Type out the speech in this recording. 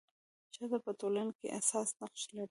ښځه په ټولنه کي اساسي نقش لري.